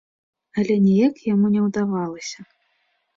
Але ніяк яму не ўдавалася.